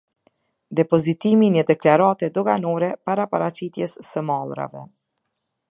Depozitimi i një deklarate doganore para paraqitjes së mallrave.